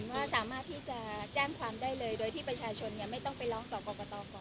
ว่าสามารถที่จะแจ้งความได้เลยโดยที่ประชาชนไม่ต้องไปร้องต่อกรกตก่อน